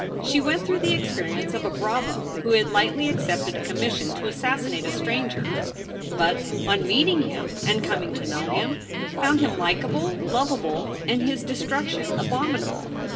She went through the experience of a bravo who had lightly accepted a com mission to assassinate a stranger, but, on meeting him and coming to know him, found him likable, lovable, and his destruction abominable.